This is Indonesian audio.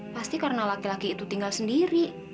pasti karena laki laki itu tinggal sendiri